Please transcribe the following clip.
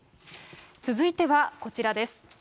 続いてはこちらです。